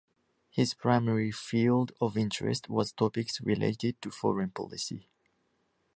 His primary field of interest was topics related to foreign policy.